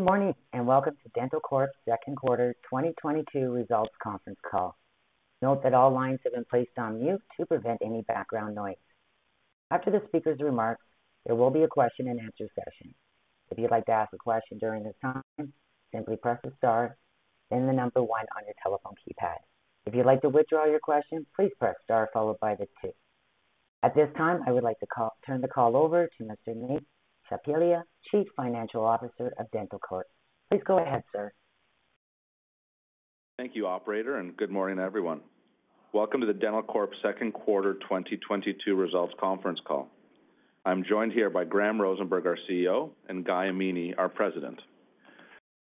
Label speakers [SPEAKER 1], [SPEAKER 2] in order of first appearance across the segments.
[SPEAKER 1] Good morning, and welcome to Dentalcorp's second quarter 2022 results conference call. Note that all lines have been placed on mute to prevent any background noise. After the speaker's remarks, there will be a question and answer session. If you'd like to ask a question during this time, simply press the star, then the number one on your telephone keypad. If you'd like to withdraw your question, please press star followed by the two. At this time, I would like to turn the call over to Mr. Nate Tchaplia, Chief Financial Officer of Dentalcorp. Please go ahead, sir.
[SPEAKER 2] Thank you, operator, and good morning, everyone. Welcome to the Dentalcorp second quarter 2022 results conference call. I'm joined here by Graham Rosenberg, our CEO, and Guy Amini, our president.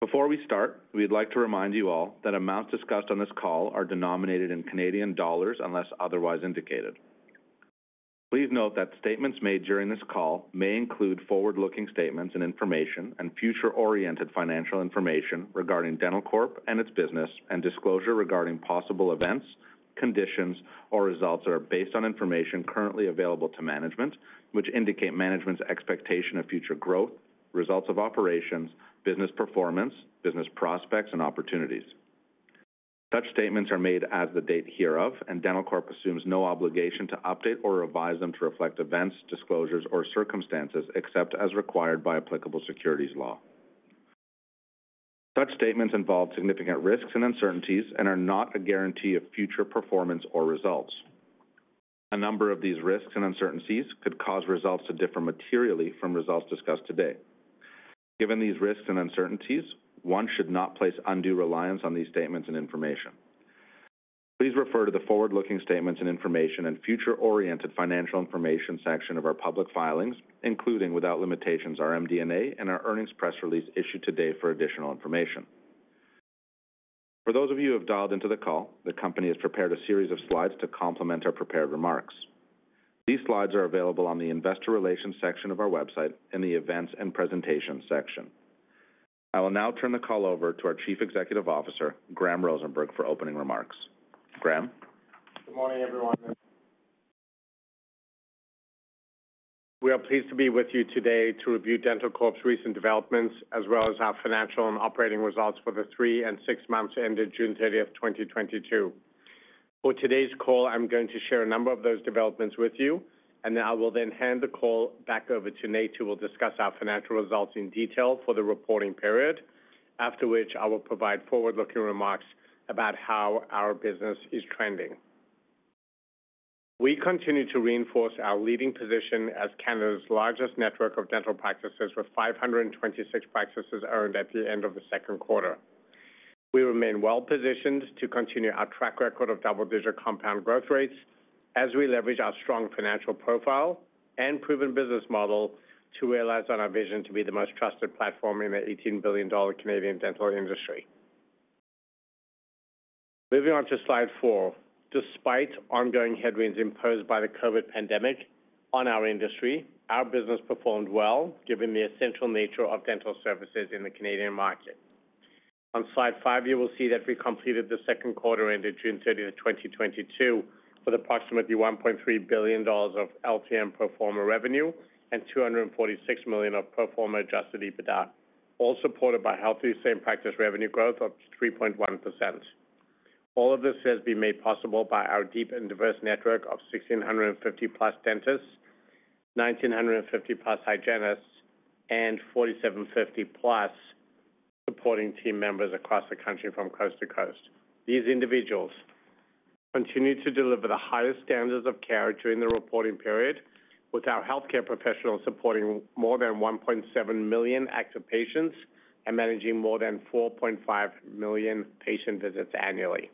[SPEAKER 2] Before we start, we'd like to remind you all that amounts discussed on this call are denominated in Canadian dollars unless otherwise indicated. Please note that statements made during this call may include forward-looking statements and information and future-oriented financial information regarding Dentalcorp and its business and disclosure regarding possible events, conditions, or results that are based on information currently available to management, which indicate management's expectation of future growth, results of operations, business performance, business prospects, and opportunities. Such statements are made as of the date hereof, and Dentalcorp assumes no obligation to update or revise them to reflect events, disclosures, or circumstances except as required by applicable securities law. Such statements involve significant risks and uncertainties and are not a guarantee of future performance or results. A number of these risks and uncertainties could cause results to differ materially from results discussed today. Given these risks and uncertainties, one should not place undue reliance on these statements and information. Please refer to the forward-looking statements and information and future-oriented financial information section of our public filings, including without limitations, our MD&A and our earnings press release issued today for additional information. For those of you who have dialed into the call, the company has prepared a series of slides to complement our prepared remarks. These slides are available on the Investor Relations section of our website in the Events and Presentation section. I will now turn the call over to our Chief Executive Officer, Graham Rosenberg, for opening remarks. Graham.
[SPEAKER 3] Good morning, everyone. We are pleased to be with you today to review Dentalcorp's recent developments, as well as our financial and operating results for the 3 and 6 months ended June 30th of 2022. For today's call, I'm going to share a number of those developments with you, and I will then hand the call back over to Nate, who will discuss our financial results in detail for the reporting period. After which, I will provide forward-looking remarks about how our business is trending. We continue to reinforce our leading position as Canada's largest network of dental practices, with 526 practices earned at the end of the second quarter. We remain well-positioned to continue our track record of double-digit compound growth rates as we leverage our strong financial profile and proven business model to realize on our vision to be the most trusted platform in the 18 billion Canadian dollars Canadian dental industry. Moving on to slide four. Despite ongoing headwinds imposed by the COVID pandemic on our industry, our business performed well, given the essential nature of dental services in the Canadian market. On slide five, you will see that we completed the second quarter ended June 30, 2022 with approximately 1.3 billion dollars of LTM pro forma revenue and 246 million of pro forma adjusted EBITDA, all supported by healthy same-practice revenue growth of 3.1%. All of this has been made possible by our deep and diverse network of 1,650+ dentists, 1,950+ hygienists, and 4,750+ supporting team members across the country from coast to coast. These individuals continued to deliver the highest standards of care during the reporting period, with our healthcare professionals supporting more than 1.7 million active patients and managing more than 4.5 million patient visits annually.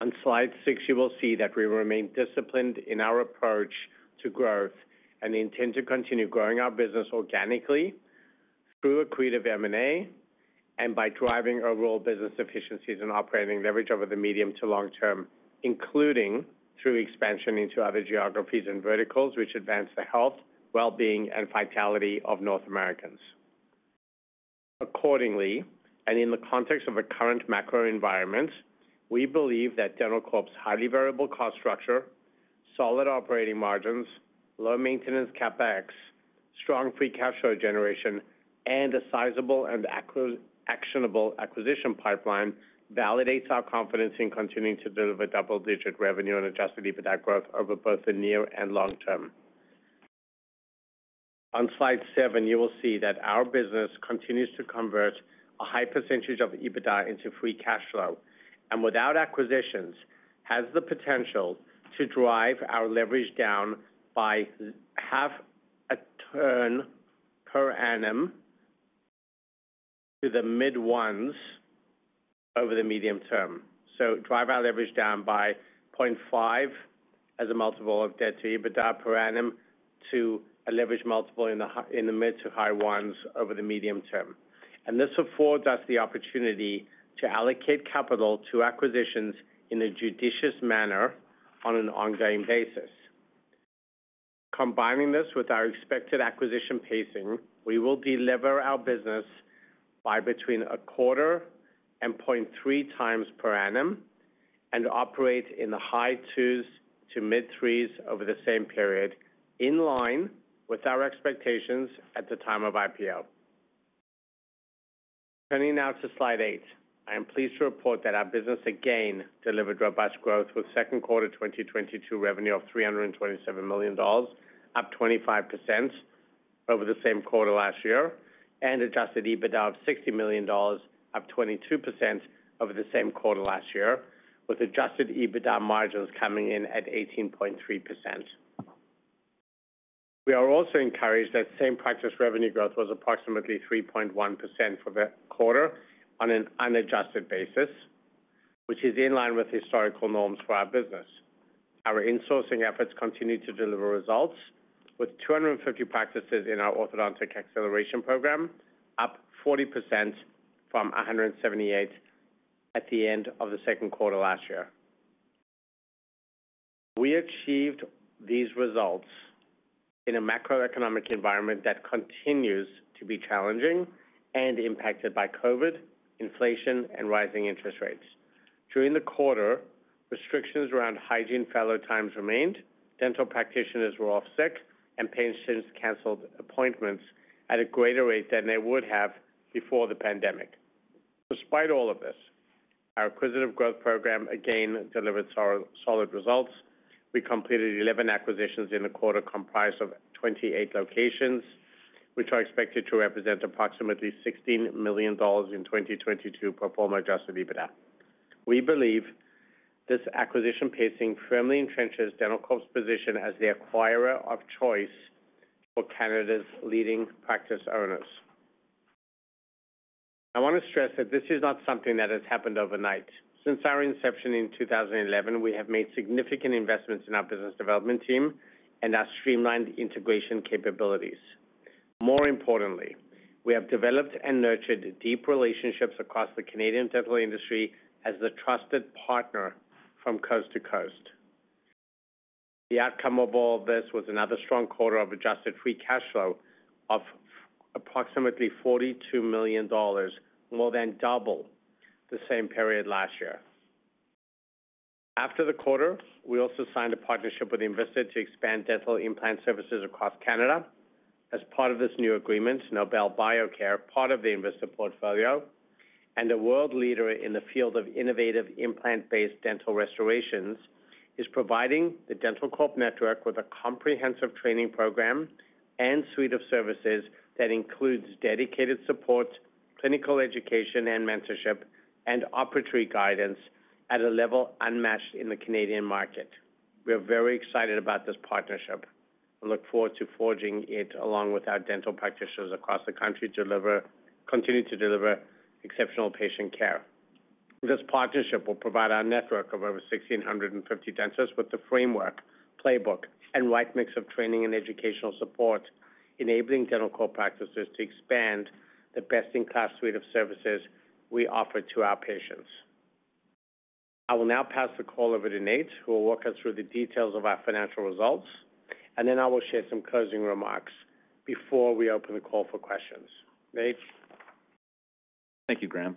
[SPEAKER 3] On slide 6, you will see that we remain disciplined in our approach to growth and intend to continue growing our business organically through accretive M&A and by driving overall business efficiencies and operating leverage over the medium to long term, including through expansion into other geographies and verticals which advance the health, well-being, and vitality of North Americans. Accordingly, in the context of a current macro environment, we believe that Dentalcorp's highly variable cost structure, solid operating margins, low maintenance CapEx, strong free cash flow generation, and a sizable and actionable acquisition pipeline validates our confidence in continuing to deliver double-digit revenue and adjusted EBITDA growth over both the near and long term. On slide 7, you will see that our business continues to convert a high percentage of EBITDA into free cash flow and without acquisitions, has the potential to drive our leverage down by 0.5 as a multiple of debt to EBITDA per annum to a leverage multiple in the mid- to high-1s over the medium term. This affords us the opportunity to allocate capital to acquisitions in a judicious manner on an ongoing basis. Combining this with our expected acquisition pacing, we will delever our business by between 0.25x and 0.3x per annum. We will operate in the high 2s to mid 3s over the same period, in line with our expectations at the time of IPO. Turning now to slide 8. I am pleased to report that our business again delivered robust growth with Q2 2022 revenue of 327 million dollars, up 25% over the same quarter last year, and adjusted EBITDA of 60 million dollars, up 22% over the same quarter last year, with adjusted EBITDA margins coming in at 18.3%. We are also encouraged that same-practice revenue growth was approximately 3.1% for the quarter on an unadjusted basis, which is in line with historical norms for our business. Our insourcing efforts continue to deliver results with 250 practices in our Ortho Acceleration Program, up 40% from 178 at the end of the second quarter last year. We achieved these results in a macroeconomic environment that continues to be challenging and impacted by COVID, inflation, and rising interest rates. During the quarter, restrictions around hygiene fallow time remained, dental practitioners were off sick, and patients canceled appointments at a greater rate than they would have before the pandemic. Despite all of this, our acquisitive growth program again delivered solid results. We completed 11 acquisitions in the quarter, comprised of 28 locations, which are expected to represent approximately 16 million dollars in 2022 pro forma adjusted EBITDA. We believe this acquisition pacing firmly entrenches Dentalcorp's position as the acquirer of choice for Canada's leading practice owners. I wanna stress that this is not something that has happened overnight. Since our inception in 2011, we have made significant investments in our business development team and our streamlined integration capabilities. More importantly, we have developed and nurtured deep relationships across the Canadian dental industry as the trusted partner from coast to coast. The outcome of all this was another strong quarter of adjusted free cash flow of approximately 42 million dollars, more than double the same period last year. After the quarter, we also signed a partnership with Envista to expand dental implant services across Canada. As part of this new agreement, Nobel Biocare, part of the Envista portfolio and a world leader in the field of innovative implant-based dental restorations, is providing the Dentalcorp network with a comprehensive training program and suite of services that includes dedicated support, clinical education and mentorship, and operatory guidance at a level unmatched in the Canadian market. We are very excited about this partnership and look forward to forging it along with our dental practitioners across the country to continue to deliver exceptional patient care. This partnership will provide our network of over 1,650 dentists with the framework, playbook, and right mix of training and educational support, enabling Dentalcorp practices to expand the best-in-class suite of services we offer to our patients. I will now pass the call over to Nate, who will walk us through the details of our financial results, and then I will share some closing remarks before we open the call for questions. Nate?
[SPEAKER 2] Thank you, Graham.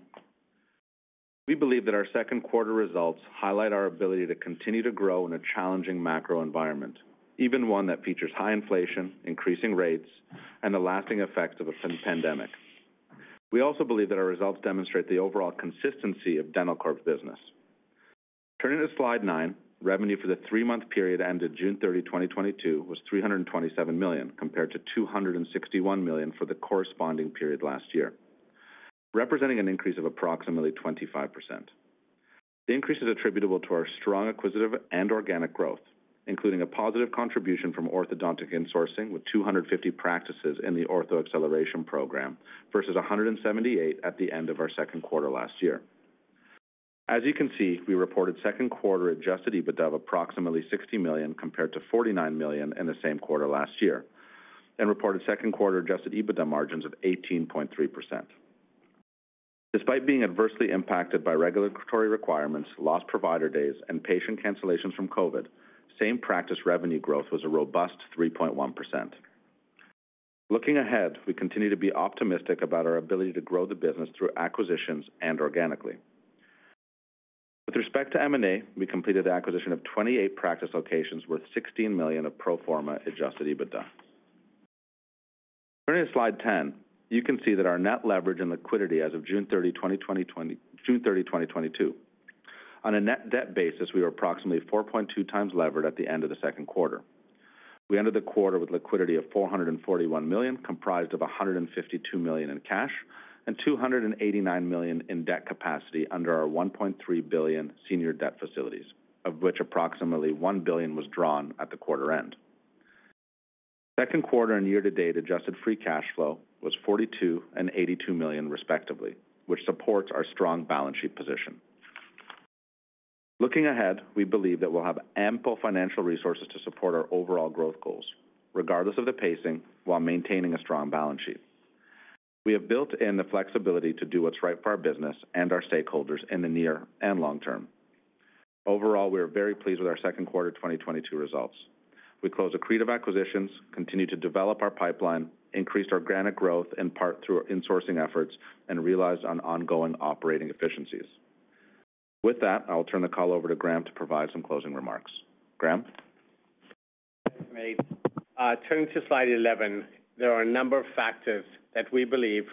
[SPEAKER 2] We believe that our second quarter results highlight our ability to continue to grow in a challenging macro environment, even one that features high inflation, increasing rates, and the lasting effects of a pandemic. We also believe that our results demonstrate the overall consistency of Dentalcorp's business. Turning to slide 9, revenue for the 3-month period ended June 30, 2022 was 327 million, compared to 261 million for the corresponding period last year, representing an increase of approximately 25%. The increase is attributable to our strong acquisitive and organic growth, including a positive contribution from orthodontic insourcing with 250 practices in the Ortho Acceleration Program versus 178 at the end of our second quarter last year. As you can see, we reported second quarter adjusted EBITDA of approximately 60 million compared to 49 million in the same quarter last year and reported second quarter adjusted EBITDA margins of 18.3%. Despite being adversely impacted by regulatory requirements, lost provider days, and patient cancellations from COVID, same practice revenue growth was a robust 3.1%. Looking ahead, we continue to be optimistic about our ability to grow the business through acquisitions and organically. With respect to M&A, we completed the acquisition of 28 practice locations with 16 million of pro forma adjusted EBITDA. Turning to slide 10, you can see that our net leverage and liquidity as of June 30, 2022. On a net debt basis, we were approximately 4.2x levered at the end of the second quarter. We ended the quarter with liquidity of 441 million, comprised of 152 million in cash and 289 million in debt capacity under our 1.3 billion senior debt facilities, of which approximately 1 billion was drawn at the quarter end. Second quarter and year to date adjusted free cash flow was 42 million and 82 million respectively, which supports our strong balance sheet position. Looking ahead, we believe that we'll have ample financial resources to support our overall growth goals, regardless of the pacing, while maintaining a strong balance sheet. We have built in the flexibility to do what's right for our business and our stakeholders in the near and long term. Overall, we are very pleased with our second quarter 2022 results. We closed accretive acquisitions, continued to develop our pipeline, increased our organic growth in part through our insourcing efforts, and realized ongoing operating efficiencies. With that, I will turn the call over to Graham to provide some closing remarks. Graham?
[SPEAKER 3] Thanks, Nate. Turning to slide 11, there are a number of factors that we believe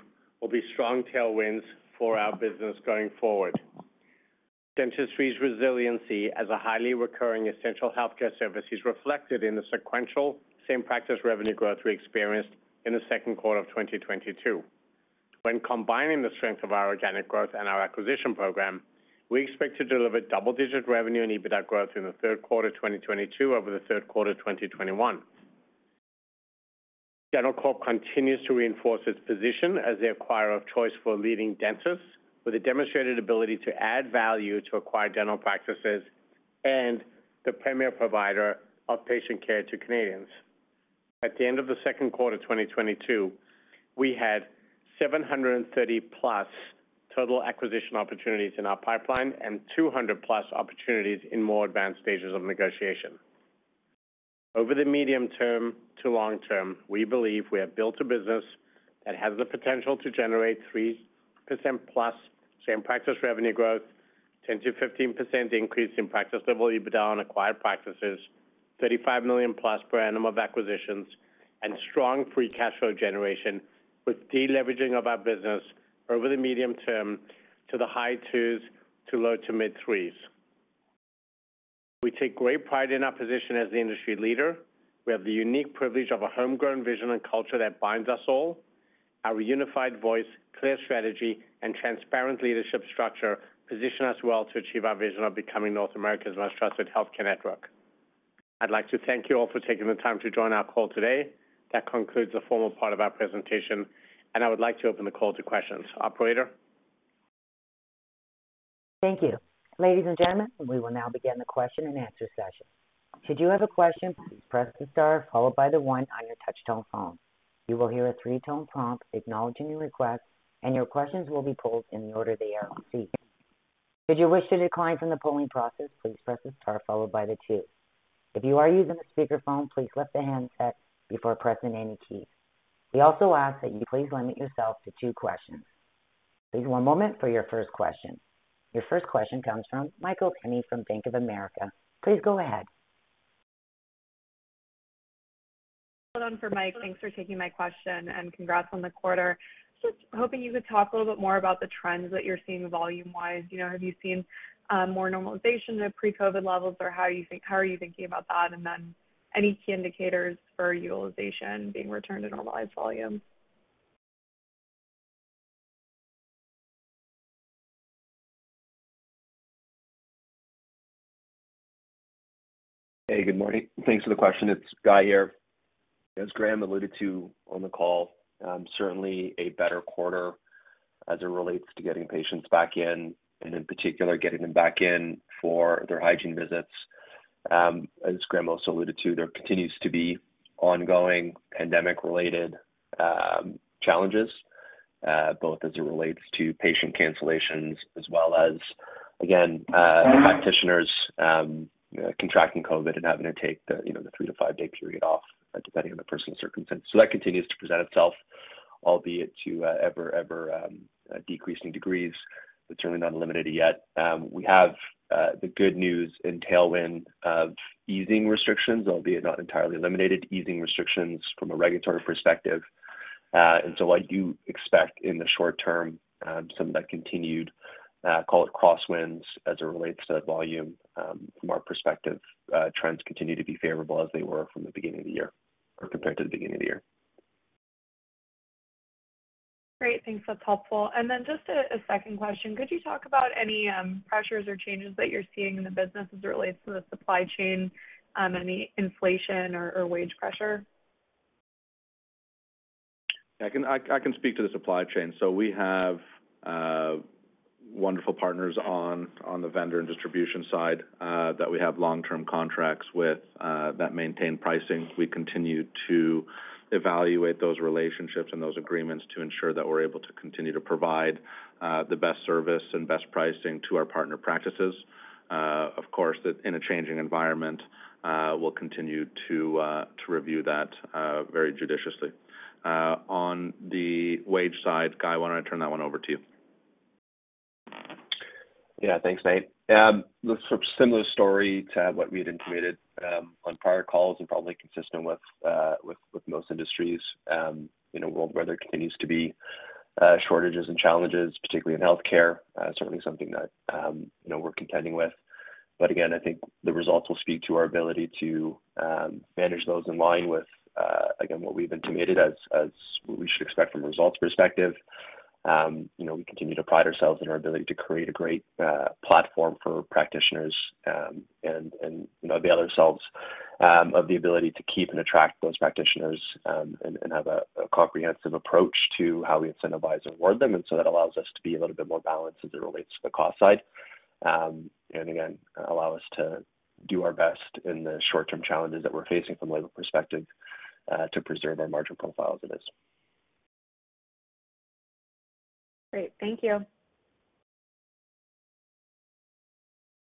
[SPEAKER 3] will be strong tailwinds for our business going forward. Dentistry's resiliency as a highly recurring essential healthcare service is reflected in the sequential same-practice revenue growth we experienced in the second quarter of 2022. When combining the strength of our organic growth and our acquisition program, we expect to deliver double-digit revenue and EBITDA growth in the third quarter of 2022 over the third quarter of 2021. Dentalcorp continues to reinforce its position as the acquirer of choice for leading dentists with a demonstrated ability to add value to acquired dental practices and the premier provider of patient care to Canadians. At the end of the second quarter of 2022, we had 730+ total acquisition opportunities in our pipeline and 200+ opportunities in more advanced stages of negotiation. Over the medium term to long term, we believe we have built a business that has the potential to generate 3%+ same practice revenue growth, 10%-15% increase in practice level EBITDA on acquired practices, 35+ million per annum of acquisitions, and strong free cash flow generation with deleveraging of our business over the medium term to the high 2s to low- to mid-3s. We take great pride in our position as the industry leader. We have the unique privilege of a homegrown vision and culture that binds us all. Our unified voice, clear strategy, and transparent leadership structure position us well to achieve our vision of becoming North America's most trusted healthcare network. I'd like to thank you all for taking the time to join our call today. That concludes the formal part of our presentation, and I would like to open the call to questions. Operator?
[SPEAKER 1] Thank you. Ladies and gentlemen, we will now begin the question and answer session. Should you have a question, please press the star followed by the one on your touch-tone phone. You will hear a three-tone prompt acknowledging your request, and your questions will be pulled in the order they are received. Should you wish to decline from the polling process, please press the star followed by the two. If you are using a speakerphone, please lift the handset before pressing any key. We also ask that you please limit yourself to two questions. Please one moment for your first question. Your first question comes from Michael Cherny from Bank of America. Please go ahead.
[SPEAKER 4] Hold on for Michael. Thanks for taking my question and congrats on the quarter. Just hoping you could talk a little bit more about the trends that you're seeing volume-wise. You know, have you seen more normalization of pre-COVID levels or how are you thinking about that? And then any key indicators for utilization being returned to normalized volume?
[SPEAKER 5] Hey, good morning. Thanks for the question. It's Guy here. As Graham alluded to on the call, certainly a better quarter as it relates to getting patients back in and in particular getting them back in for their hygiene visits. As Graham also alluded to, there continues to be ongoing pandemic-related challenges, both as it relates to patient cancellations as well as, again, practitioners contracting COVID and having to take the, you know, the 3-5 day period off, depending on the personal circumstance. That continues to present itself, albeit to ever decreasing degrees, but certainly not eliminated yet. We have the good news and tailwind of easing restrictions, albeit not entirely eliminated, easing restrictions from a regulatory perspective. I do expect in the short term, some of that continued, call it crosswinds as it relates to volume. From our perspective, trends continue to be favorable as they were from the beginning of the year or compared to the beginning of the year.
[SPEAKER 4] Great. Thanks. That's helpful. Just a second question. Could you talk about any pressures or changes that you're seeing in the business as it relates to the supply chain, any inflation or wage pressure?
[SPEAKER 2] I can speak to the supply chain. We have wonderful partners on the vendor and distribution side that we have long-term contracts with that maintain pricing. We continue to evaluate those relationships and those agreements to ensure that we're able to continue to provide the best service and best pricing to our partner practices. Of course, that in a changing environment, we'll continue to review that very judiciously. On the wage side, Guy, why don't I turn that one over to you?
[SPEAKER 5] Yeah. Thanks, Nate. Similar story to what we had intimated on prior calls and probably consistent with with most industries you know world where there continues to be shortages and challenges particularly in healthcare certainly something that you know we're contending with. Again, I think the results will speak to our ability to manage those in line with again what we've intimated as what we should expect from a results perspective. You know, we continue to pride ourselves in our ability to create a great platform for practitioners and avail ourselves of the ability to keep and attract those practitioners and have a comprehensive approach to how we incentivize and reward them. That allows us to be a little bit more balanced as it relates to the cost side. Again, allow us to do our best in the short-term challenges that we're facing from a labor perspective, to preserve our margin profile as it is.
[SPEAKER 4] Great. Thank you.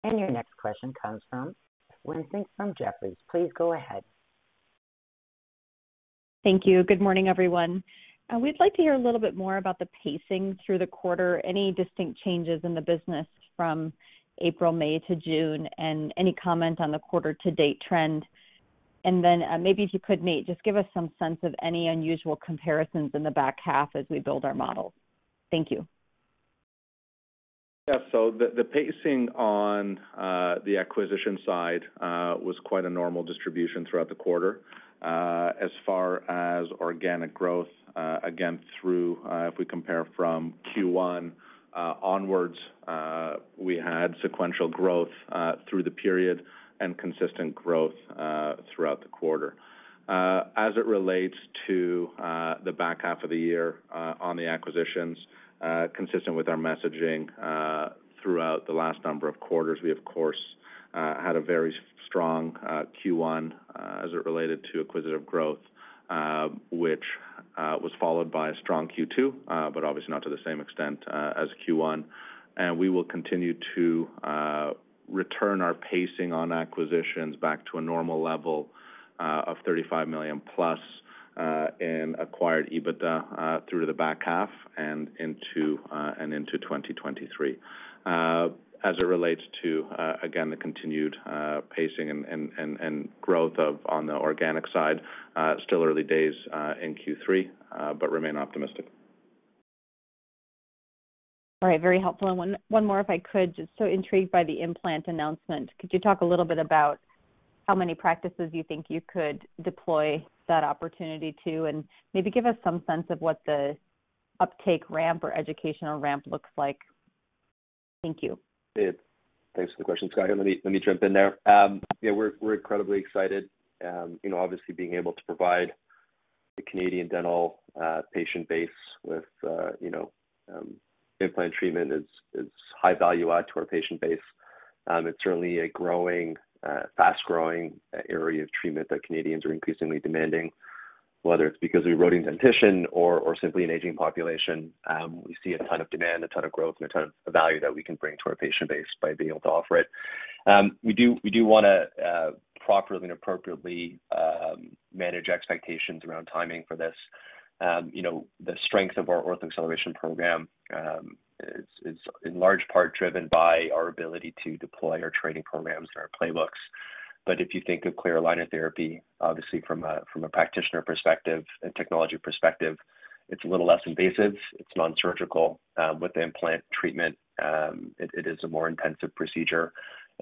[SPEAKER 1] Your next question comes from [Tao Qiu] from Jefferies. Please go ahead.
[SPEAKER 6] Thank you. Good morning, everyone. We'd like to hear a little bit more about the pacing through the quarter. Any distinct changes in the business from April, May to June, and any comment on the quarter to date trend? Then, maybe if you could, Nate, just give us some sense of any unusual comparisons in the back half as we build our models. Thank you.
[SPEAKER 2] The pacing on the acquisition side was quite a normal distribution throughout the quarter. As far as organic growth, again, if we compare from Q1 onwards, we had sequential growth through the period and consistent growth throughout the quarter. As it relates to the back half of the year on the acquisitions, consistent with our messaging throughout the last number of quarters, we of course had a very strong Q1 as it related to acquisitive growth, which was followed by a strong Q2 but obviously not to the same extent as Q1. We will continue to return our pacing on acquisitions back to a normal level of 35+ million in acquired EBITDA through to the back half and into 2023. As it relates to again the continued pacing and growth on the organic side, still early days in Q3, but remain optimistic.
[SPEAKER 6] All right. Very helpful. One more, if I could. Just so intrigued by the implant announcement. Could you talk a little bit about how many practices you think you could deploy that opportunity to, and maybe give us some sense of what the uptake ramp or educational ramp looks like. Thank you.
[SPEAKER 5] Yeah. Thanks for the question, [Tao Qiu]. Let me jump in there. Yeah, we're incredibly excited. You know, obviously being able to provide the Canadian dental patient base with, you know, implant treatment is high value add to our patient base. It's certainly a growing fast-growing area of treatment that Canadians are increasingly demanding, whether it's because of eroding dentition or simply an aging population. We see a ton of demand, a ton of growth, and a ton of value that we can bring to our patient base by being able to offer it. We do wanna properly and appropriately manage expectations around timing for this. You know, the strength of our Ortho Acceleration Program is in large part driven by our ability to deploy our training programs and our playbooks. If you think of clear aligner therapy, obviously from a practitioner perspective and technology perspective, it's a little less invasive. It's nonsurgical. With the implant treatment, it is a more intensive procedure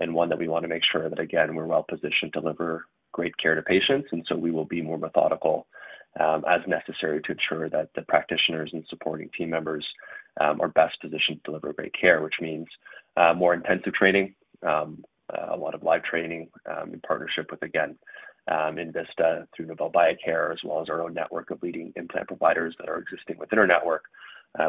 [SPEAKER 5] and one that we wanna make sure that, again, we're well positioned to deliver great care to patients. We will be more methodical, as necessary to ensure that the practitioners and supporting team members are best positioned to deliver great care, which means more intensive training, a lot of live training, in partnership with, again, Envista through Nobel Biocare, as well as our own network of leading implant providers that are existing within our network.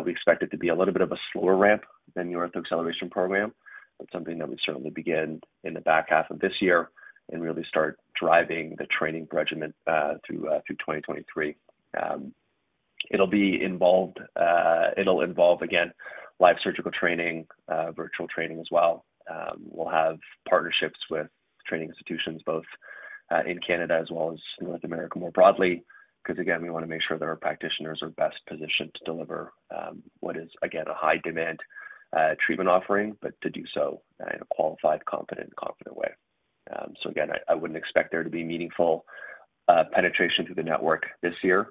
[SPEAKER 5] We expect it to be a little bit of a slower ramp than your Ortho Acceleration Program. It's something that we certainly begin in the back half of this year and really start driving the training regimen through 2023. It'll involve again, live surgical training, virtual training as well. We'll have partnerships with training institutions both in Canada as well as North America more broadly, 'cause again, we wanna make sure that our practitioners are best positioned to deliver what is again, a high demand treatment offering, but to do so in a qualified, competent, and confident way. Again, I wouldn't expect there to be meaningful penetration through the network this year.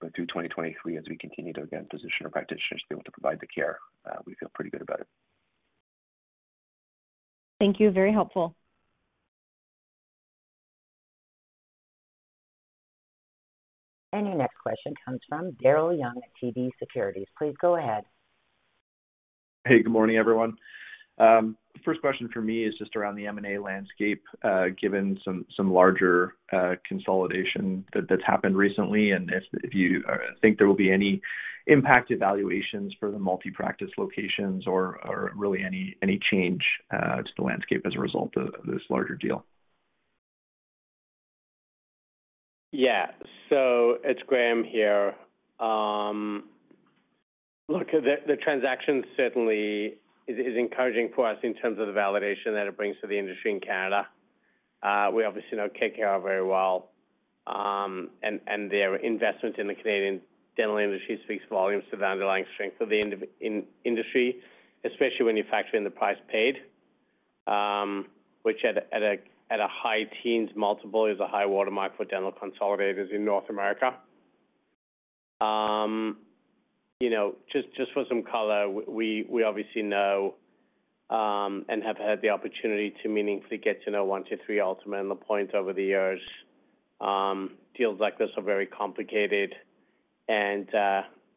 [SPEAKER 5] Through 2023, as we continue to, again, position our practitioners to be able to provide the care, we feel pretty good about it.
[SPEAKER 6] Thank you. Very helpful.
[SPEAKER 1] Your next question comes from Daryl Young at TD Securities. Please go ahead.
[SPEAKER 7] Hey, good morning, everyone. First question for me is just around the M&A landscape, given some larger consolidation that's happened recently, and if you think there will be any impact evaluations for the multi-practice locations or really any change to the landscape as a result of this larger deal.
[SPEAKER 3] Yeah. It's Graham here. Look, the transaction certainly is encouraging for us in terms of the validation that it brings to the industry in Canada. We obviously know KKR very well, and their investment in the Canadian dental industry speaks volumes to the underlying strength of the industry, especially when you factor in the price paid, which at a high teens multiple is a high watermark for dental consolidators in North America. You know, just for some color, we obviously know and have had the opportunity to meaningfully get to know 123Dentist, Altima, and Lapointe over the years. Deals like this are very complicated and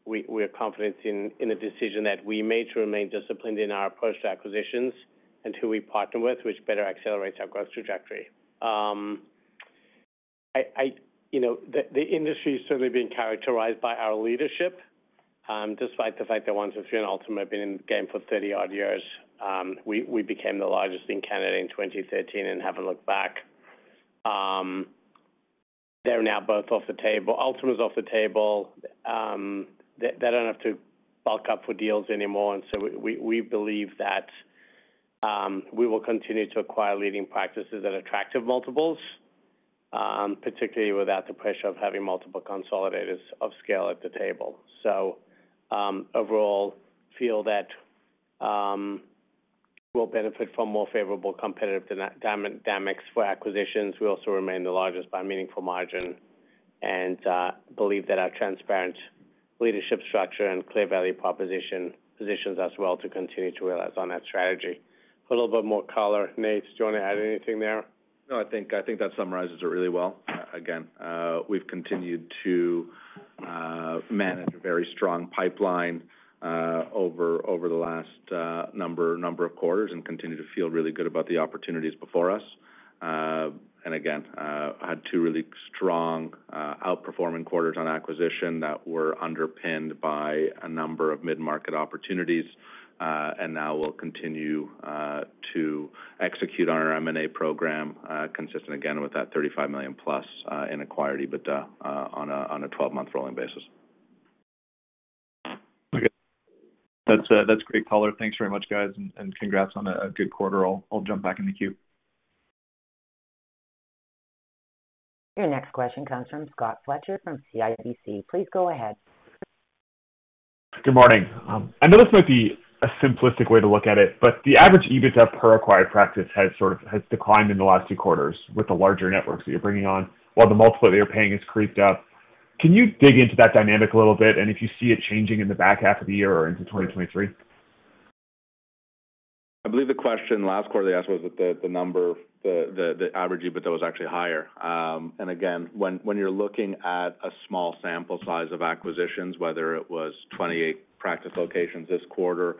[SPEAKER 3] we're confident in a decision that we made to remain disciplined in our approach to acquisitions and who we partner with, which better accelerates our growth trajectory. You know, the industry is certainly being characterized by our leadership, despite the fact that 123Dentist and Altima have been in the game for 30-odd years. We became the largest in Canada in 2013 and haven't looked back. They're now both off the table. Altima is off the table. They don't have to bulk up for deals anymore. We believe that we will continue to acquire leading practices at attractive multiples, particularly without the pressure of having multiple consolidators of scale at the table. Overall, feel that we'll benefit from more favorable competitive dynamics for acquisitions. We also remain the largest by a meaningful margin and believe that our transparent leadership structure and clear value proposition positions us well to continue to realize on that strategy. A little bit more color. Nate, do you want to add anything there?
[SPEAKER 2] No, I think that summarizes it really well. We've continued to manage a very strong pipeline over the last number of quarters and continue to feel really good about the opportunities before us. Again, had two really strong, outperforming quarters on acquisition that were underpinned by a number of mid-market opportunities. Now we'll continue to execute on our M&A program, consistent again with that 35+ million in acquiring EBITDA, on a 12-month rolling basis.
[SPEAKER 7] Okay. That's great color. Thanks very much, guys. Congrats on a good quarter. I'll jump back in the queue.
[SPEAKER 1] Your next question comes from Scott Fletcher from CIBC. Please go ahead.
[SPEAKER 8] Good morning. I know this might be a simplistic way to look at it, but the average EBITDA per acquired practice has sort of declined in the last two quarters with the larger networks that you're bringing on while the multiple that you're paying has crept up. Can you dig into that dynamic a little bit? If you see it changing in the back half of the year or into 2023.
[SPEAKER 2] I believe the question last quarter they asked was that the number, the average EBITDA was actually higher. Again, when you're looking at a small sample size of acquisitions, whether it was 28 practice locations this quarter,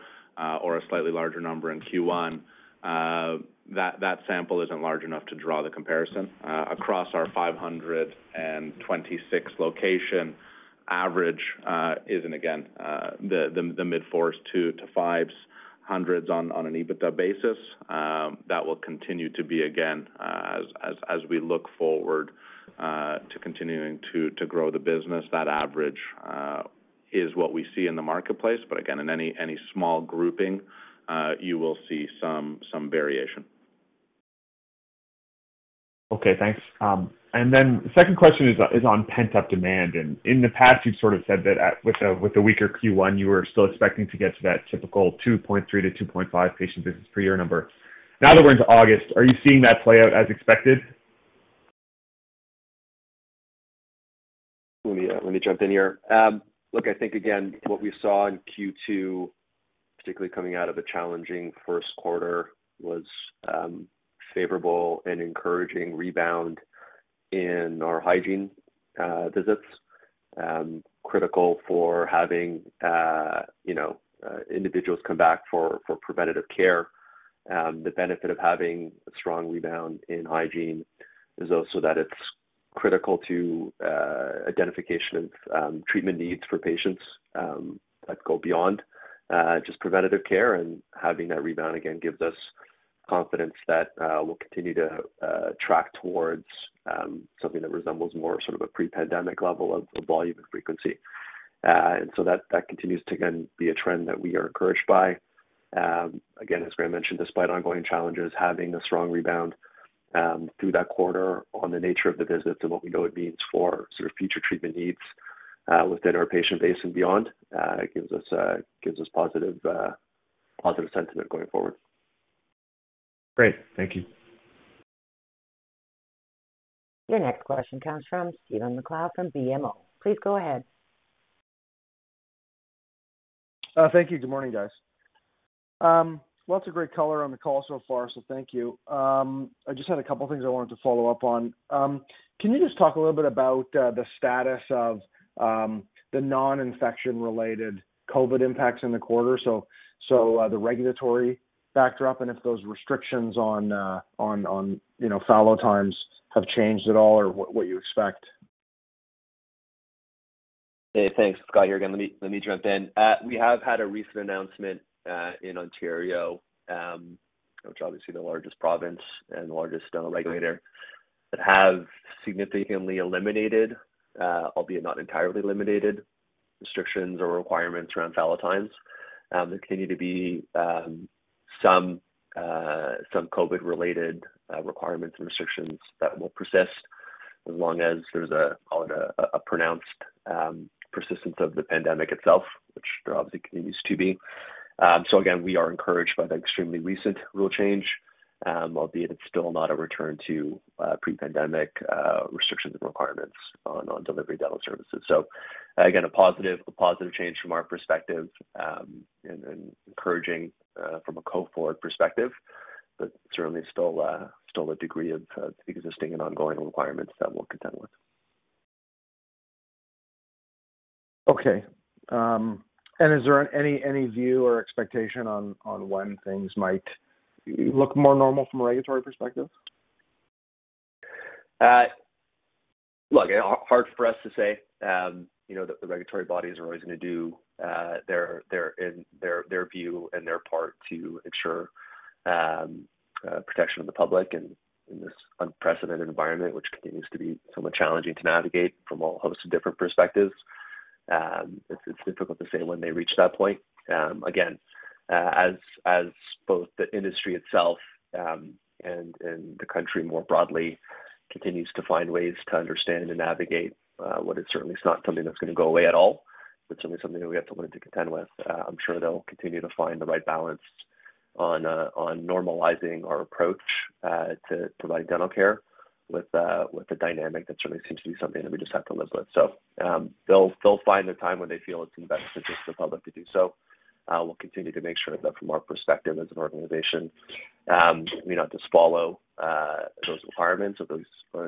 [SPEAKER 2] or a slightly larger number in Q1, that sample isn't large enough to draw the comparison. Across our 526 location average is the mid 400s-500s on an EBITDA basis. That will continue to be again, as we look forward to continuing to grow the business. That average is what we see in the marketplace. Again, in any small grouping, you will see some variation.
[SPEAKER 8] Okay, thanks. Second question is on pent-up demand. In the past, you've sort of said that with a weaker Q1, you were still expecting to get to that typical 2.3-2.5 patient visits per year number. Now that we're into August, are you seeing that play out as expected?
[SPEAKER 5] Let me jump in here. Look, I think again, what we saw in Q2, particularly coming out of a challenging first quarter, was favorable and encouraging rebound in our hygiene visits, critical for having you know individuals come back for preventative care. The benefit of having a strong rebound in hygiene is also that it's critical to identification of treatment needs for patients that go beyond just preventative care. Having that rebound, again, gives us confidence that we'll continue to track towards something that resembles more sort of a pre-pandemic level of volume and frequency. That continues to, again, be a trend that we are encouraged by. Again, as Graham mentioned, despite ongoing challenges, having a strong rebound through that quarter on the nature of the visits and what we know it means for sort of future treatment needs within our patient base and beyond gives us positive sentiment going forward.
[SPEAKER 8] Great. Thank you.
[SPEAKER 1] Your next question comes from Stephen MacLeod from BMO. Please go ahead.
[SPEAKER 9] Thank you. Good morning, guys. Lots of great color on the call so far, so thank you. I just had a couple of things I wanted to follow up on. Can you just talk a little bit about the status of the non-infection related COVID impacts in the quarter. The regulatory backdrop and if those restrictions on, you know, fallow time have changed at all or what you expect.
[SPEAKER 5] Hey, thanks. Guy here again. Let me jump in. We have had a recent announcement in Ontario, which obviously the largest province and the largest regulator that have significantly eliminated, albeit not entirely eliminated restrictions or requirements around fallow times. There continue to be some COVID related requirements and restrictions that will persist as long as there's a call it a pronounced persistence of the pandemic itself, which there obviously continues to be. Again, we are encouraged by the extremely recent rule change, albeit it's still not a return to pre-pandemic restrictions and requirements on delivery dental services. Again, a positive change from our perspective, and encouraging from a go-forward perspective, but certainly still a degree of existing and ongoing requirements that we'll contend with.
[SPEAKER 9] Okay. Is there any view or expectation on when things might look more normal from a regulatory perspective?
[SPEAKER 5] Look, hard for us to say. You know, the regulatory bodies are always gonna do their part in their view to ensure protection of the public and in this unprecedented environment, which continues to be somewhat challenging to navigate from all sorts of different perspectives. It's difficult to say when they reach that point. Again, as both the industry itself and the country more broadly continues to find ways to understand and navigate what certainly is not something that's gonna go away at all. It's certainly something that we have to learn to contend with. I'm sure they'll continue to find the right balance on normalizing our approach to provide dental care with the dynamic. That certainly seems to be something that we just have to live with. They'll find a time when they feel it's in the best interest of the public to do so. We'll continue to make sure that from our perspective as an organization, you know,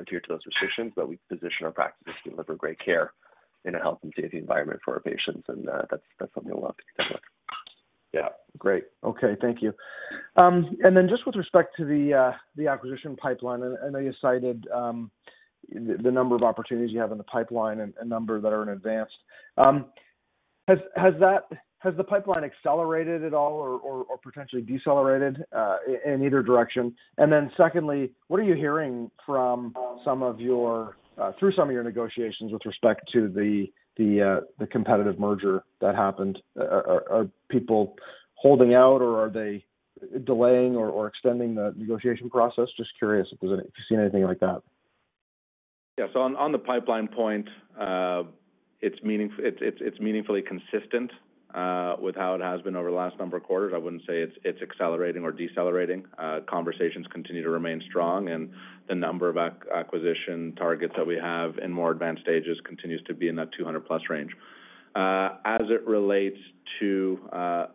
[SPEAKER 5] adhere to those restrictions, but we position our practices to deliver great care in a health and safety environment for our patients. That's something we'll have to contend with.
[SPEAKER 9] Yeah. Great. Okay. Thank you. Just with respect to the acquisition pipeline, I know you cited the number of opportunities you have in the pipeline and number that are in advanced. Has the pipeline accelerated at all or potentially decelerated in either direction? Secondly, what are you hearing through some of your negotiations with respect to the competitive merger that happened? Are people holding out or are they delaying or extending the negotiation process? Just curious if you've seen anything like that.
[SPEAKER 5] Yeah. On the pipeline point, it's meaningfully consistent with how it has been over the last number of quarters. I wouldn't say it's accelerating or decelerating. Conversations continue to remain strong and the number of acquisition targets that we have in more advanced stages continues to be in that 200+ range. As it relates to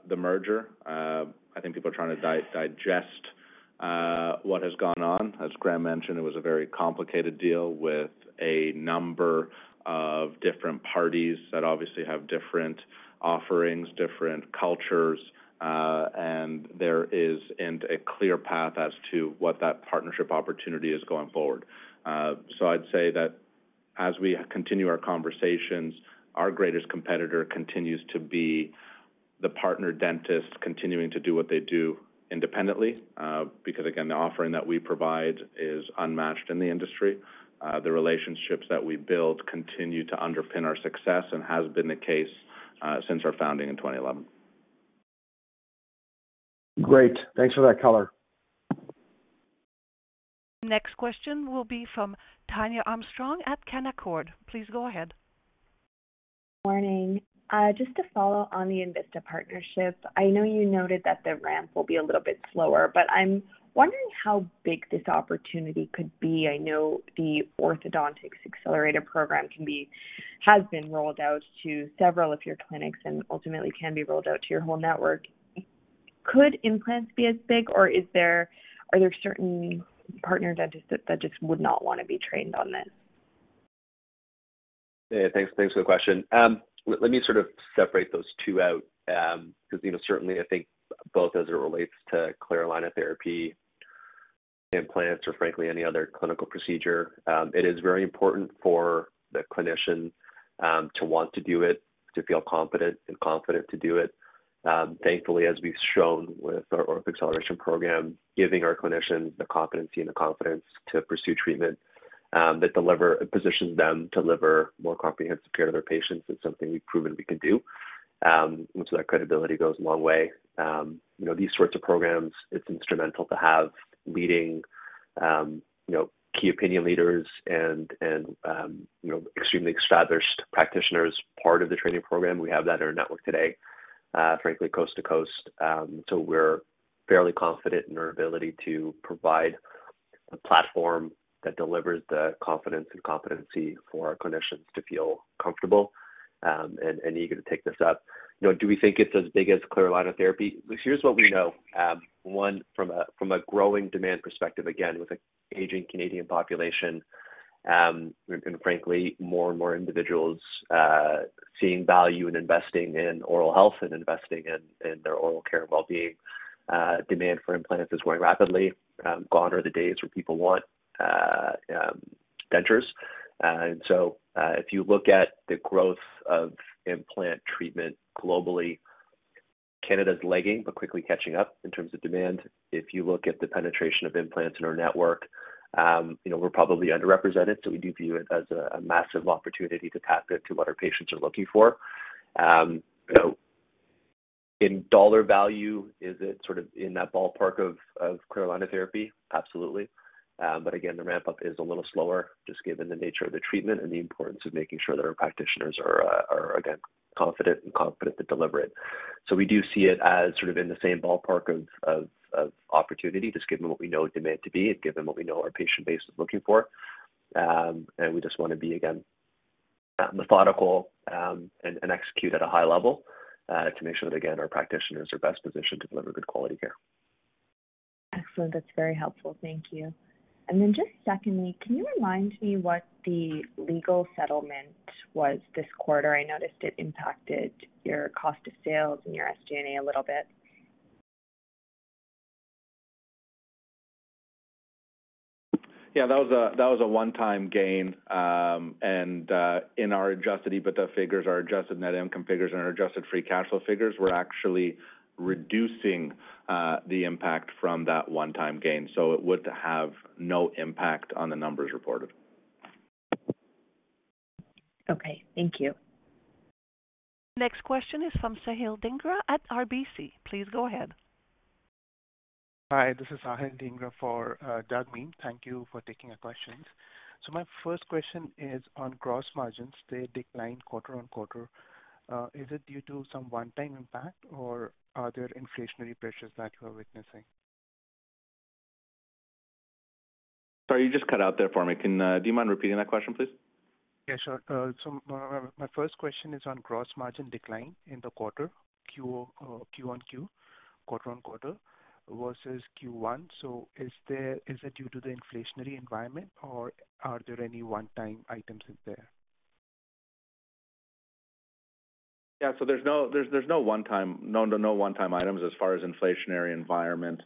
[SPEAKER 5] the merger, I think people are trying to digest what has gone on. As Graham mentioned, it was a very complicated deal with a number of different parties that obviously have different offerings, different cultures, and a clear path as to what that partnership opportunity is going forward. I'd say that as we continue our conversations, our greatest competitor continues to be the partner dentist continuing to do what they do independently, because again, the offering that we provide is unmatched in the industry. The relationships that we build continue to underpin our success and has been the case, since our founding in 2011.
[SPEAKER 9] Great. Thanks for that color.
[SPEAKER 1] Next question will be from Tania Armstrong at Canaccord. Please go ahead.
[SPEAKER 10] Morning. Just to follow on the Envista partnership, I know you noted that the ramp will be a little bit slower, but I'm wondering how big this opportunity could be. I know the Ortho Acceleration Program has been rolled out to several of your clinics and ultimately can be rolled out to your whole network. Could implants be as big or are there certain partner dentists that just would not wanna be trained on this?
[SPEAKER 5] Yeah, thanks. Thanks for the question. Let me sort of separate those two out, because, you know, certainly I think both as it relates to clear aligner therapy, implants or frankly any other clinical procedure, it is very important for the clinician to want to do it, to feel confident to do it. Thankfully, as we've shown with our Ortho Acceleration Program, giving our clinicians the competency and the confidence to pursue treatment that positions them to deliver more comprehensive care to their patients. It's something we've proven we can do. And so that credibility goes a long way. You know, these sorts of programs, it's instrumental to have leading, you know, key opinion leaders and you know, extremely established practitioners part of the training program. We have that in our network today, frankly, coast to coast. We're fairly confident in our ability to provide a platform that delivers the confidence and competency for our clinicians to feel comfortable, and eager to take this up. You know, do we think it's as big as clear aligner therapy? Here's what we know. One, from a growing demand perspective, again, with an aging Canadian population, and frankly, more and more individuals, seeing value in investing in oral health and investing in their oral care wellbeing, demand for implants is growing rapidly. Gone are the days where people want dentures. If you look at the growth of implant treatment globally, Canada's lagging but quickly catching up in terms of demand. If you look at the penetration of implants in our network, you know, we're probably underrepresented. We do view it as a massive opportunity to tap into what our patients are looking for. You know, in dollar value, is it sort of in that ballpark of clear aligner therapy? Absolutely. Again, the ramp up is a little slower just given the nature of the treatment and the importance of making sure that our practitioners are again confident to deliver it. We do see it as sort of in the same ballpark of opportunity, just given what we know demand to be and given what we know our patient base is looking for. We just wanna be again, methodical, and execute at a high level, to make sure that again, our practitioners are best positioned to deliver good quality care.
[SPEAKER 10] Excellent. That's very helpful. Thank you. Just secondly, can you remind me what the legal settlement was this quarter? I noticed it impacted your cost of sales and your SG&A a little bit.
[SPEAKER 2] Yeah, that was a one-time gain. In our adjusted EBITDA figures, our adjusted net income figures and our adjusted free cash flow figures, we're actually reducing the impact from that one-time gain, so it would have no impact on the numbers reported.
[SPEAKER 10] Okay, thank you.
[SPEAKER 1] Next question is from Sahil Dhingra at RBC. Please go ahead.
[SPEAKER 11] Hi, this is Sahil Dhingra for Jaeme Gloyn. Thank you for taking our questions. My first question is on gross margins. They declined quarter-over-quarter. Is it due to some one-time impact or are there inflationary pressures that you are witnessing?
[SPEAKER 2] Sorry, you just cut out there for me. Do you mind repeating that question, please?
[SPEAKER 11] Yeah, sure. My first question is on gross margin decline in the quarter-on-quarter versus Q1. Is it due to the inflationary environment or are there any one-time items in there?
[SPEAKER 2] Yeah. There's no one-time items. As far as inflationary environment,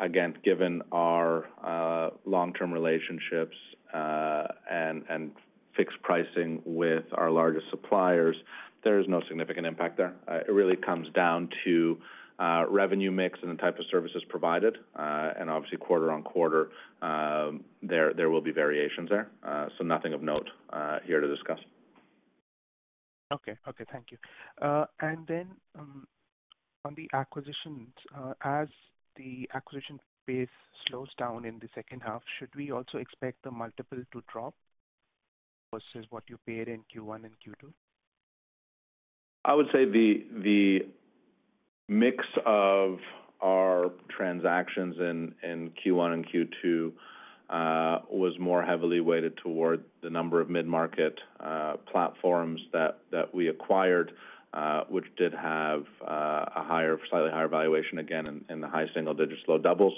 [SPEAKER 2] again, given our long-term relationships and fixed pricing with our largest suppliers, there is no significant impact there. It really comes down to revenue mix and the type of services provided. Obviously quarter-over-quarter, there will be variations there. Nothing of note here to discuss.
[SPEAKER 11] Okay, thank you. On the acquisitions, as the acquisition pace slows down in the second half, should we also expect the multiple to drop versus what you paid in Q1 and Q2?
[SPEAKER 2] I would say the mix of our transactions in Q1 and Q2 was more heavily weighted toward the number of mid-market platforms that we acquired, which did have a slightly higher valuation, again, in the high single digits, low doubles.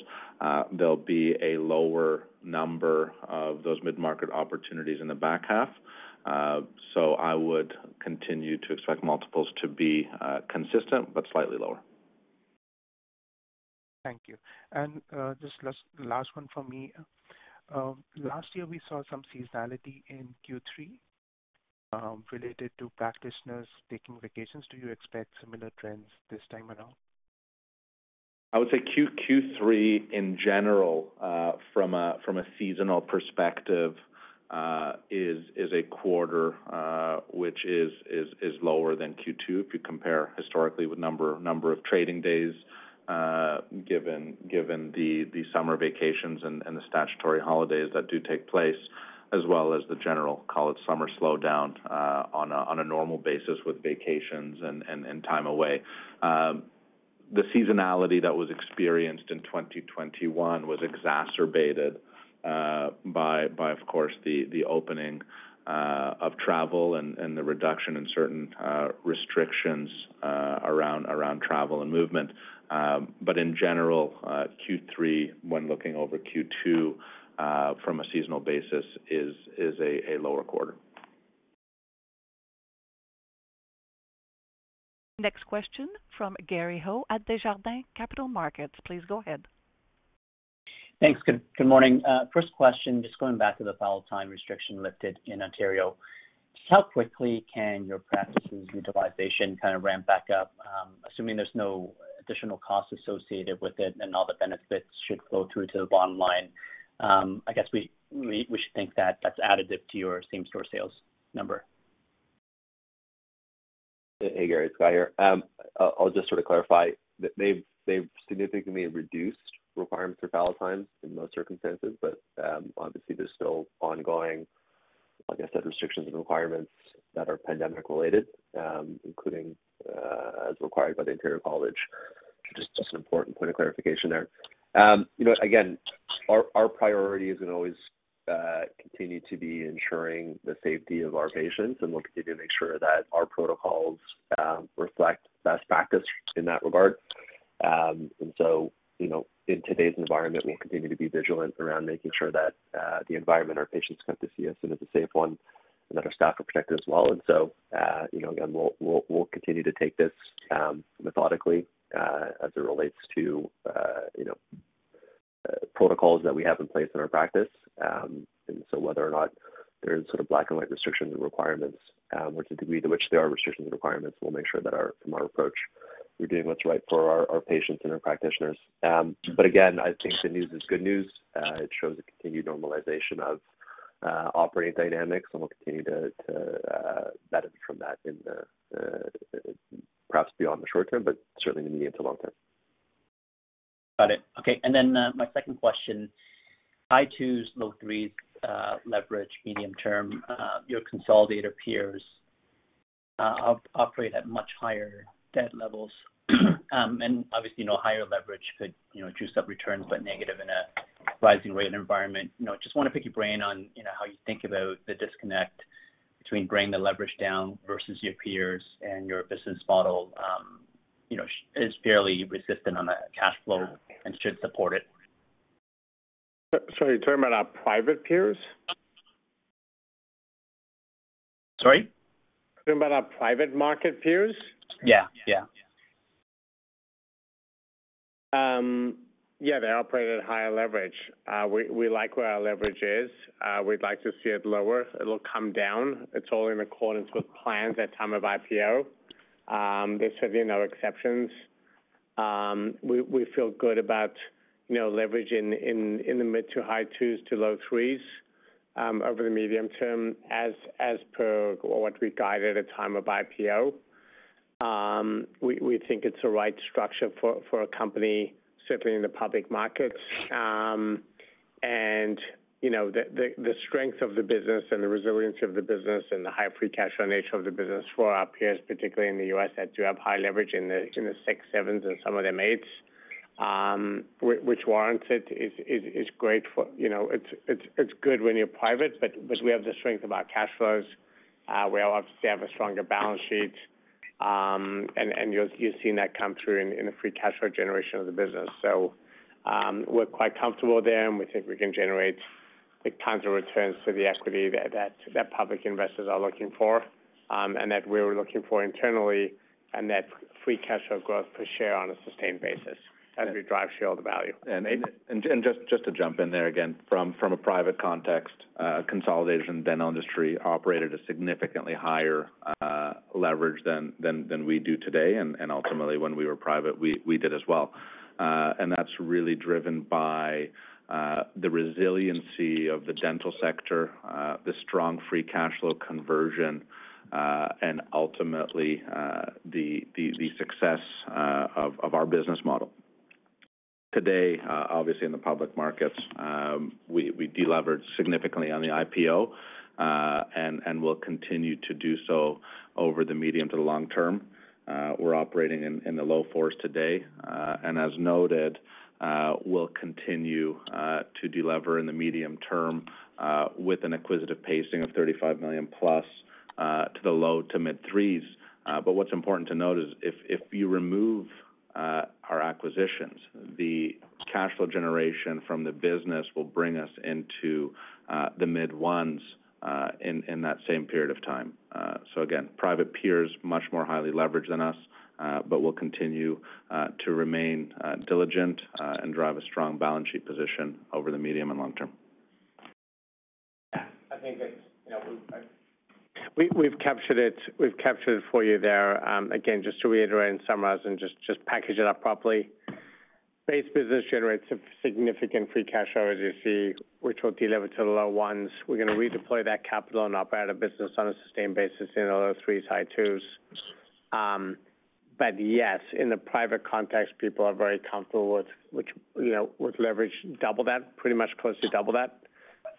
[SPEAKER 2] There'll be a lower number of those mid-market opportunities in the back half. I would continue to expect multiples to be consistent but slightly lower.
[SPEAKER 11] Thank you. Just last one for me. Last year we saw some seasonality in Q3 related to practitioners taking vacations. Do you expect similar trends this time around?
[SPEAKER 2] I would say Q3 in general, from a seasonal perspective, is lower than Q2 if you compare historically with number of trading days, given the summer vacations and the statutory holidays that do take place, as well as the general, call it, summer slowdown, on a normal basis with vacations and time away. The seasonality that was experienced in 2021 was exacerbated by of course the opening of travel and the reduction in certain restrictions around travel and movement. In general, Q3, when looking over Q2, from a seasonal basis is a lower quarter.
[SPEAKER 1] Next question from Gary Ho at Desjardins Capital Markets. Please go ahead.
[SPEAKER 12] Thanks. Good morning. First question, just going back to the fallow time restriction lifted in Ontario, how quickly can your practices utilization kind of ramp back up? Assuming there's no additional costs associated with it and all the benefits should flow through to the bottom line, I guess we should think that that's additive to your same-store sales number.
[SPEAKER 5] Hey, Gary, it's Guy here. I'll just sort of clarify. They've significantly reduced requirements for fallow times in most circumstances, but obviously there's still ongoing, like I said, restrictions and requirements that are pandemic-related, including as required by the Ontario College. Just an important point of clarification there. You know, again, our priority is gonna always continue to be ensuring the safety of our patients, and we'll continue to make sure that our protocols reflect best practice in that regard. You know, in today's environment, we'll continue to be vigilant around making sure that the environment our patients come to see us in is a safe one and that our staff are protected as well. You know, again, we'll continue to take this methodically as it relates to you know, protocols that we have in place in our practice. Whether or not there's sort of black and white restrictions and requirements, or to the degree to which there are restrictions and requirements, we'll make sure that from our approach, we're doing what's right for our patients and our practitioners. Again, I think the news is good news. It shows a continued normalization of operating dynamics, and we'll continue to benefit from that in the perhaps beyond the short term, but certainly in the medium to long term.
[SPEAKER 12] Got it. Okay. My second question. In 2s, low 3s leverage medium-term. Your consolidator peers operate at much higher debt levels. Obviously, you know, higher leverage could, you know, juice up returns, but negative in a rising rate environment. You know, just wanna pick your brain on, you know, how you think about the disconnect between bringing the leverage down versus your peers and your business model, you know, is fairly resistant on the cash flow and should support it.
[SPEAKER 3] You're talking about our private peers? Talking about our private market peers?
[SPEAKER 12] Yeah. Yeah.
[SPEAKER 3] Yeah, they're operated at higher leverage. We like where our leverage is. We'd like to see it lower. It'll come down. It's all in accordance with plans at time of IPO. There's certainly no exceptions. We feel good about, you know, leverage in the mid- to high-2s to low-3s over the medium term as per what we guided at time of IPO. We think it's the right structure for a company certainly in the public markets. You know, the strength of the business and the resilience of the business and the high free cash flow nature of the business for our peers, particularly in the U.S., that do have high leverage in the 6s, 7s, and some of them 8s, which warrants it is great for. You know, it's good when you're private, but we have the strength of our cash flows. We obviously have a stronger balance sheet. You've seen that come through in the free cash flow generation of the business. We're quite comfortable there, and we think we can generate the kinds of returns for the equity that public investors are looking for, and that we're looking for internally, and that free cash flow growth per share on a sustained basis as we drive shareholder value.
[SPEAKER 2] Just to jump in there again, from a private context, consolidating dental industry operated at significantly higher leverage than we do today. Ultimately when we were private, we did as well. That's really driven by the resiliency of the dental sector, the strong free cash flow conversion, and ultimately the success of our business model. Today, obviously in the public markets, we deleveraged significantly on the IPO and will continue to do so over the medium to the long term. We're operating in the low fours today. And as noted, we'll continue to delever in the medium term with an acquisitive pacing of 35+ million to the low to mid threes. What's important to note is if you remove our acquisitions, the cash flow generation from the business will bring us into the mid ones in that same period of time. Again, private peers, much more highly leveraged than us, but we'll continue to remain diligent and drive a strong balance sheet position over the medium and long term.
[SPEAKER 3] Yeah. I think it's, you know, we've captured it for you there. Again, just to reiterate and summarize and package it up properly. Base business generates a significant free cash flow, as you see, which will delever to the low ones. We're gonna redeploy that capital on our business on a sustained basis in the low threes, high twos. Yes, in the private context, people are very comfortable with which, you know, with leverage double that, pretty much close to double that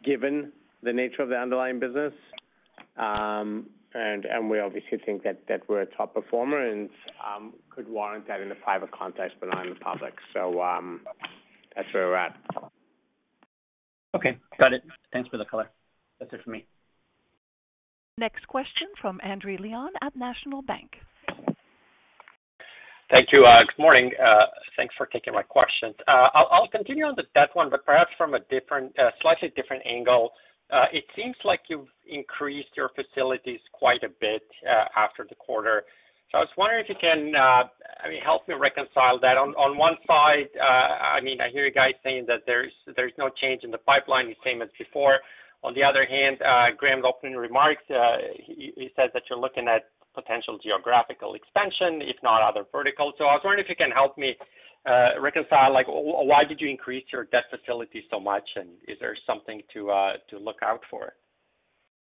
[SPEAKER 3] given the nature of the underlying business. And we obviously think that we're a top performer and could warrant that in a private context, but not in the public. That's where we're at.
[SPEAKER 12] Okay. Got it. Thanks for the color. That's it for me.
[SPEAKER 1] Next question from Endri Leno at National Bank.
[SPEAKER 13] Thank you. Good morning. Thanks for taking my questions. I'll continue on the debt one, but perhaps from a different, slightly different angle. It seems like you've increased your facilities quite a bit after the quarter. I was wondering if you can help me reconcile that. On one side, I mean, I hear you guys saying that there's no change in the pipeline, the same as before. On the other hand, Graham's opening remarks, he says that you're looking at potential geographical expansion, if not other verticals. I was wondering if you can help me reconcile, like, why did you increase your debt facility so much, and is there something to look out for?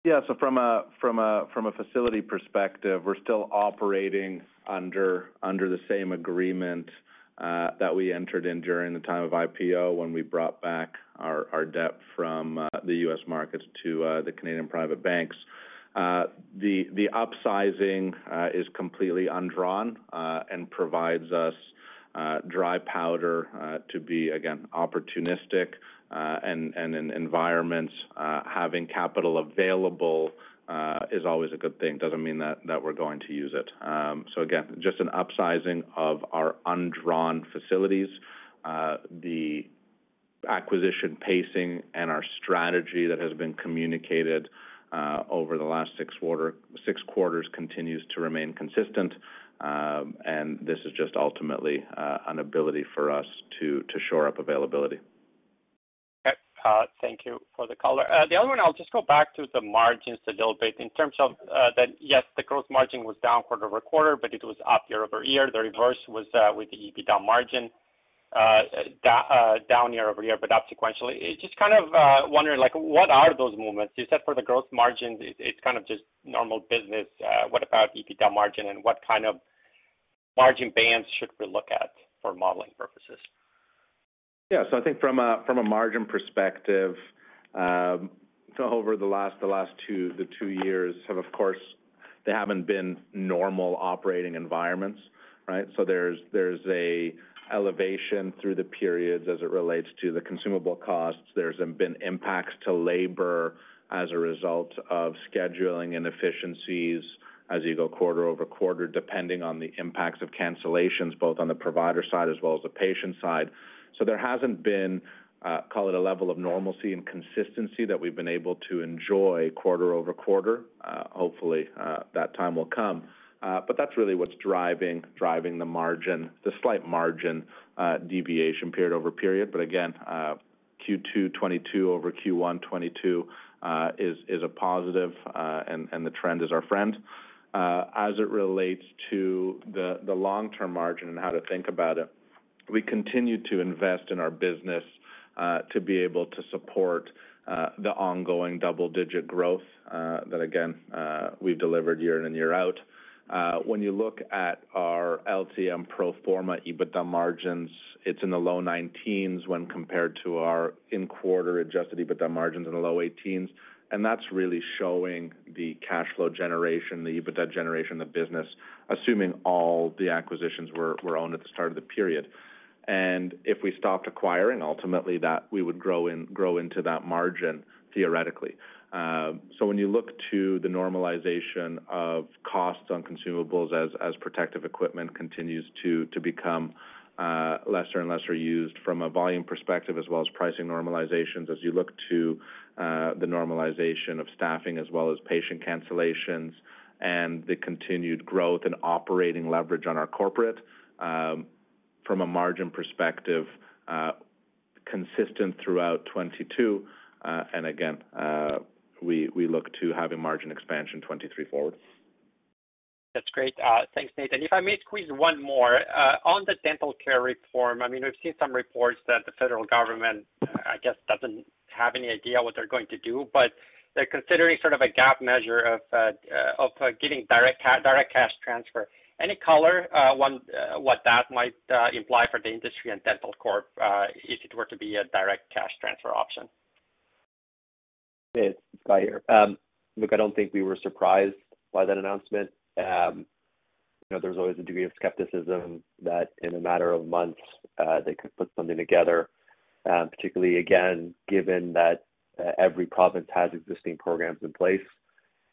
[SPEAKER 2] Yeah. From a facility perspective, we're still operating under the same agreement that we entered in during the time of IPO when we brought back our debt from the U.S. markets to the Canadian private banks. The upsizing is completely undrawn and provides us dry powder to be again opportunistic. In environments having capital available is always a good thing. Doesn't mean that we're going to use it. Again, just an upsizing of our undrawn facilities. The acquisition pacing and our strategy that has been communicated over the last six quarters continues to remain consistent. This is just ultimately an ability for us to shore up availability.
[SPEAKER 13] Okay. Thank you for the color. The other one, I'll just go back to the margins a little bit. In terms of that, yes, the gross margin was down quarter-over-quarter, but it was up year-over-year. The reverse was with the EBITDA margin, down year-over-year, but up sequentially. Just kind of wondering, like, what are those movements? You said for the gross margins, it's kind of just normal business. What about EBITDA margin, and what kind of margin bands should we look at for modeling purposes?
[SPEAKER 2] Yeah. I think from a margin perspective, over the last 2 years, of course, they haven't been normal operating environments, right? There's an elevation through the periods as it relates to the consumable costs. There's been impacts to labor as a result of scheduling inefficiencies as you go quarter-over-quarter, depending on the impacts of cancellations, both on the provider side as well as the patient side. There hasn't been, call it a level of normalcy and consistency that we've been able to enjoy quarter-over-quarter. Hopefully, that time will come. That's really what's driving the margin, the slight margin deviation period-over-period. Again, Q2 2022 over Q1 2022 is a positive, and the trend is our friend. As it relates to the long-term margin and how to think about it, we continue to invest in our business to be able to support the ongoing double-digit growth that again we've delivered year in and year out. When you look at our LTM pro forma EBITDA margins, it's in the low 19s% when compared to our in-quarter adjusted EBITDA margins in the low 18s%. That's really showing the cash flow generation, the EBITDA generation, the business, assuming all the acquisitions were owned at the start of the period. If we stopped acquiring, ultimately, that we would grow into that margin, theoretically. When you look to the normalization of costs on consumables as protective equipment continues to become lesser and lesser used from a volume perspective as well as pricing normalizations, as you look to the normalization of staffing as well as patient cancellations and the continued growth and operating leverage on our corporate from a margin perspective, consistent throughout 2022, and again, we look to having margin expansion 2023 forward.
[SPEAKER 13] That's great. Thanks, Nate. If I may squeeze one more. On the dental care reform, I mean, we've seen some reports that the federal government, I guess, doesn't have any idea what they're going to do, but they're considering sort of a gap measure of giving direct cash transfer. Any color on what that might imply for the industry and Dentalcorp if it were to be a direct cash transfer option?
[SPEAKER 5] It's Guy here. Look, I don't think we were surprised by that announcement. You know, there's always a degree of skepticism that in a matter of months, they could put something together, particularly, again, given that every province has existing programs in place,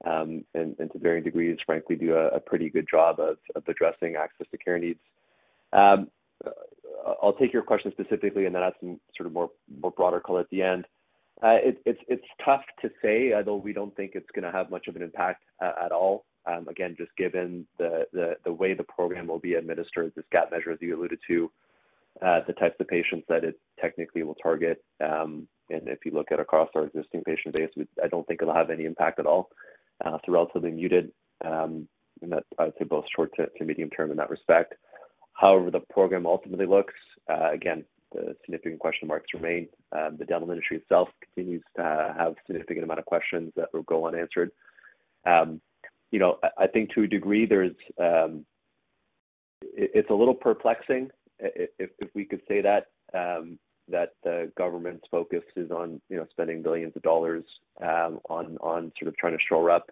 [SPEAKER 5] and to varying degrees, frankly, do a pretty good job of addressing access to care needs. I'll take your question specifically and then add some sort of more broader color at the end. It's tough to say, although we don't think it's gonna have much of an impact at all. Again, just given the way the program will be administered, this gap measure, as you alluded to, the types of patients that it technically will target. If you look across our existing patient base, I don't think it'll have any impact at all. It's relatively muted, in that I would say both short to medium term in that respect. However, the program ultimately looks, again, the significant question marks remain. The dental industry itself continues to have a significant amount of questions that will go unanswered. You know, I think to a degree, it's a little perplexing if we could say that the government's focus is on, you know, spending billions of CAD on sort of trying to shore up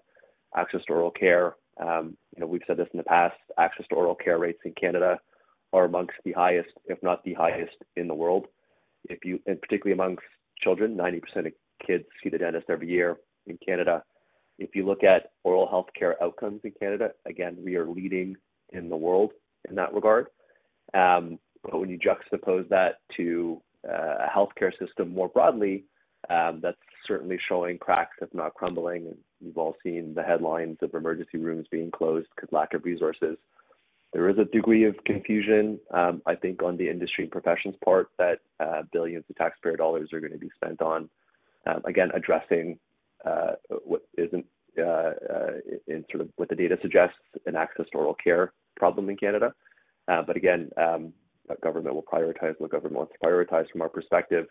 [SPEAKER 5] access to oral care. You know, we've said this in the past, access to oral care rates in Canada are among the highest, if not the highest in the world. If you and particularly among children, 90% of kids see the dentist every year in Canada. If you look at oral health care outcomes in Canada, again, we are leading in the world in that regard. When you juxtapose that to a healthcare system more broadly, that's certainly showing cracks, if not crumbling. You've all seen the headlines of emergency rooms being closed 'cause lack of resources. There is a degree of confusion, I think on the industry and professions part that billions of taxpayer dollars are gonna be spent on, again, addressing what isn't and sort of what the data suggests an access to oral care problem in Canada. Government will prioritize what government wants to prioritize from our perspective.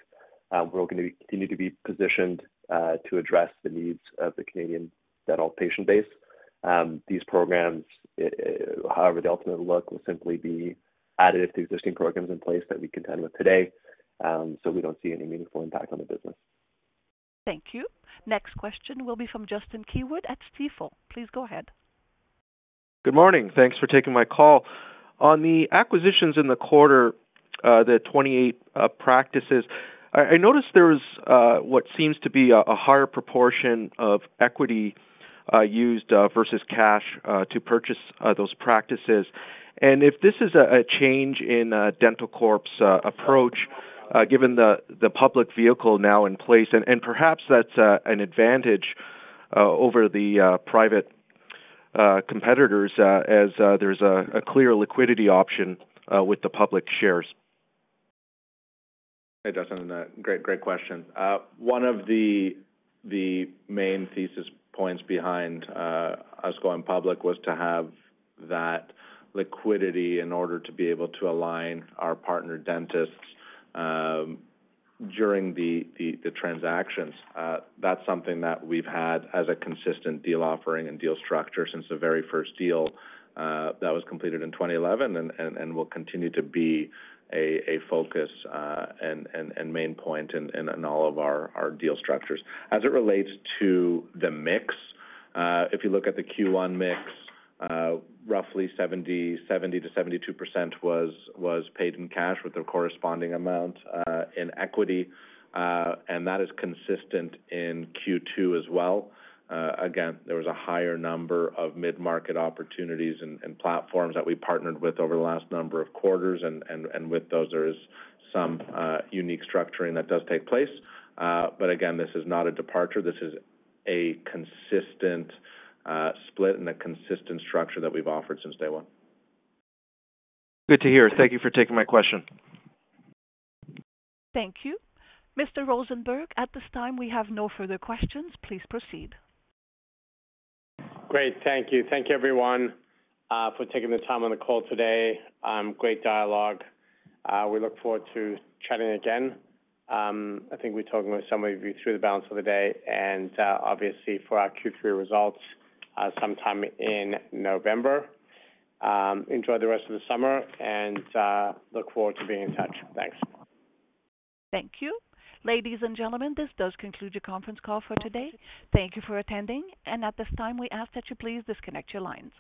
[SPEAKER 5] We're going to continue to be positioned to address the needs of the Canadian dental patient base. These programs, however they ultimately look, will simply be added to existing programs in place that we contend with today. We don't see any meaningful impact on the business.
[SPEAKER 1] Thank you. Next question will be from Justin Keywood at Stifel. Please go ahead.
[SPEAKER 14] Good morning. Thanks for taking my call. On the acquisitions in the quarter, the 28 practices, I noticed there's what seems to be a higher proportion of equity used versus cash to purchase those practices. If this is a change in Dentalcorp's approach, given the public vehicle now in place, and perhaps that's an advantage over the private competitors as there's a clear liquidity option with the public shares.
[SPEAKER 2] Hey, Justin. Great question. One of the main thesis points behind us going public was to have that liquidity in order to be able to align our partner dentists during the transactions. That's something that we've had as a consistent deal offering and deal structure since the very first deal that was completed in 2011 and will continue to be a focus and main point in all of our deal structures. As it relates to the mix, if you look at the Q1 mix, roughly 70%-72% was paid in cash with a corresponding amount in equity, and that is consistent in Q2 as well. Again, there was a higher number of mid-market opportunities and platforms that we partnered with over the last number of quarters. With those, there is some unique structuring that does take place. Again, this is not a departure. This is a consistent split and a consistent structure that we've offered since day one.
[SPEAKER 14] Good to hear. Thank you for taking my question.
[SPEAKER 1] Thank you. Mr. Rosenberg, at this time, we have no further questions. Please proceed.
[SPEAKER 3] Great. Thank you. Thank you, everyone, for taking the time on the call today. Great dialogue. We look forward to chatting again. I think we're talking with some of you through the balance of the day and, obviously, for our Q3 results sometime in November. Enjoy the rest of the summer and look forward to being in touch. Thanks.
[SPEAKER 1] Thank you. Ladies and gentlemen, this does conclude your conference call for today. Thank you for attending. At this time, we ask that you please disconnect your lines.